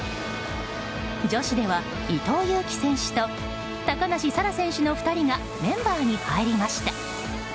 女子では伊藤有希選手と高梨沙羅選手の２人がメンバーに入りました。